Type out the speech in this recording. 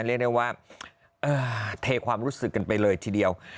เรียกได้ว่าเทความรู้สึกกันไปเลยทีเดียว